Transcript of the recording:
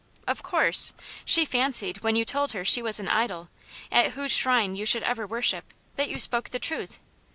Of course ! She fancied, when you told her she was an idol, at whose shrine you should ever wor ' ship, that you spoke the truth.